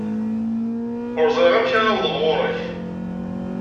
Ur ẓriɣ amek ara awḍeɣ ɣer-k.